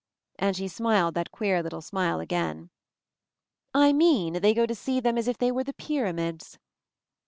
And she smiled that queer little smile again. "I mean they go to see them as if they were the Pyramids."